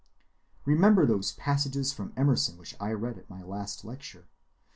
Remember those passages from Emerson which I read at my last lecture.